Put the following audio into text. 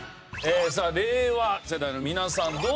さあ令和世代の皆さんどうでしょう？